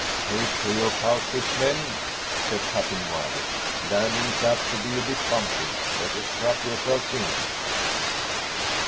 "Take to your couches, men," said Captain Wiley. "Landing's apt to be a bit bumpy. Better strap yourselves in."